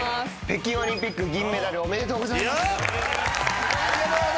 北京オリンピック銀メダルおめでとうございます。